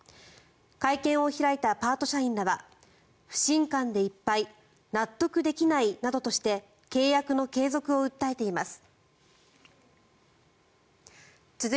会見を開いたパート社員らは不信感でいっぱい納得できないなどとして契約の継続を訴えています。